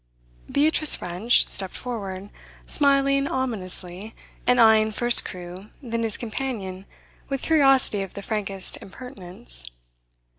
Beatrice French stepped forward, smiling ominously, and eyeing first Crewe then his companion with curiosity of the frankest impertinence.